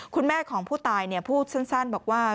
คุณแม่ของผู้ตายพูดสั้นบอกว่า